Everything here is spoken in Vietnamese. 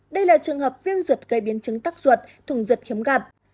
đây là trường hợp viêm ruột gây biến chứng tắc ruột thùng ruột khiếm gặp